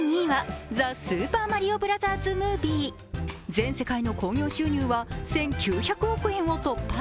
全世界の興行収入は１９００億円を突破。